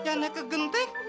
yang naik ke genteng